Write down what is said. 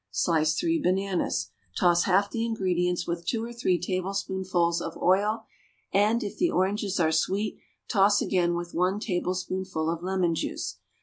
Slice three bananas. Toss half the ingredients with two or three tablespoonfuls of oil, and, if the oranges are sweet, toss again with one tablespoonful of lemon juice.